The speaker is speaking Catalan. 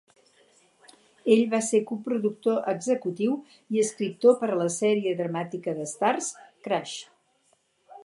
Ell va ser coproductor executiu i escriptor per a la sèrie dramàtica de Starz, "Crash".